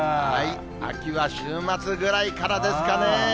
秋は週末ぐらいからですかね。